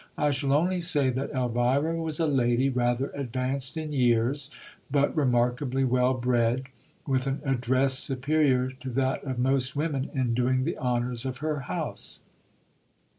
I shall only say that Elvira was a lady rather advanced in years, but remarkably well bred, with an address superior to that of most women in doing the honours of her house.